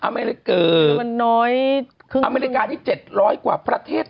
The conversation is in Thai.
พี่เราหลุดมาไกลแล้วฝรั่งเศส